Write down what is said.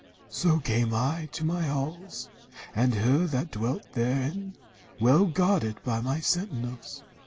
So came I to my halls, and her that dwelt Therein, well guarded by my sentinels.'